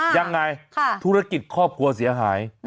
ยังไงธุรกิจครอบครัวเสียหาย